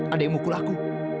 ada yang mengalahkan aku